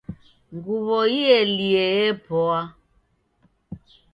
Nguwo ielie yepoa